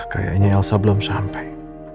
kayaknya elsa belum sampai